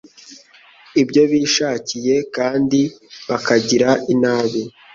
ibyo bishakiye, kandi bakagira inabi.